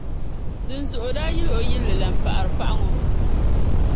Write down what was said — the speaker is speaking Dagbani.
Dinzuɣu o daa yili o yilli la, m-paɣiri paɣa ŋɔ.